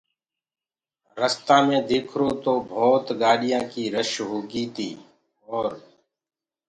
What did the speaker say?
رستآ مي ديکرو تو ڀوتَ گآڏيآنٚ ڪي رش هوگيٚ تيٚ اور